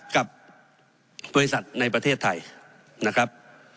กับบริษัทในประเทศไทยนะครับ